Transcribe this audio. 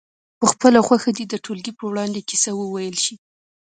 په خپله خوښه دې د ټولګي په وړاندې کیسه وویل شي.